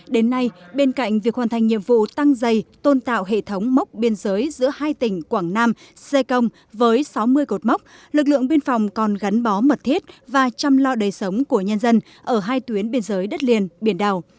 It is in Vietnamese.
đến nay bên cạnh việc hoàn thành nhiệm vụ tăng dày tôn tạo hệ thống mốc biên giới giữa hai tỉnh quảng nam xê công với sáu mươi cột mốc lực lượng biên phòng còn gắn bó mật thiết và chăm lo đời sống của nhân dân ở hai tuyến biên giới đất liền biển đảo